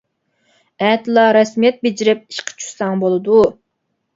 ئەتىلا رەسمىيەت بېجىرىپ ئىشقا چۈشسەڭ بولىدۇ.